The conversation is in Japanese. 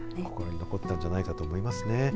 心に残ったんじゃないかと思いますね。